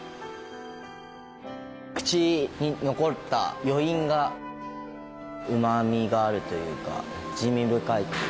口に残った余韻がうまみがあるというか滋味深いっていうか。